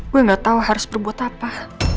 gue gak tau harus berbuat apa